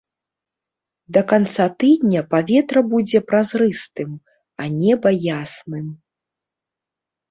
Да канца тыдня паветра будзе празрыстым, а неба ясным.